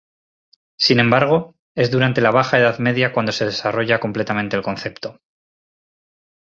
Sin embargo, es durante la Baja Edad Media cuando se desarrolla realmente el concepto.